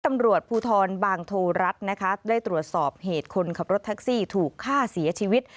ตำรวจภูทรบางโทรัฐนะคะได้ตรวจสอบเหตุคนขับรถแท็กซี่ถูกฆ่าเสียชีวิต